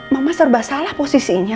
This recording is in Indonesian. mama serba salah posisinya